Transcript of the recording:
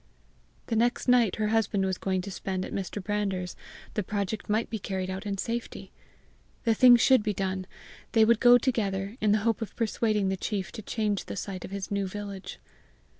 The next night her husband was going to spend at Mr. Brander's: the project might be carried out in safety! The thing should be done! They would go together, in the hope of persuading the chief to change the site of his new village!